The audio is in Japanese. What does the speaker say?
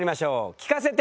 聞かせて！